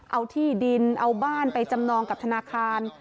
เอาที่ดินเอาบ้านไปจำนองกับธนาคาร